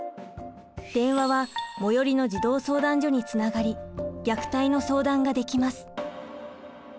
電話は最寄りの児童相談所につながり虐待の相談ができます。